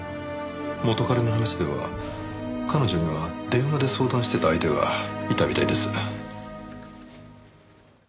元カレの話では彼女には電話で相談してた相手がいたみたいです。